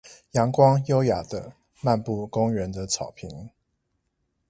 陽光優雅地漫步公園的草坪